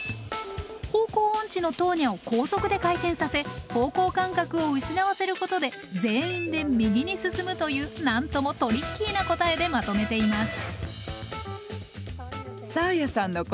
方向音痴のトーニャを高速で回転させ方向感覚を失わせることで全員で右に進むというなんともトリッキーな答えでまとめています。